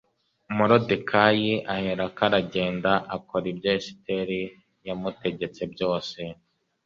moridekayi aherako aragenda akora ibyo esiteri yamutegetse byose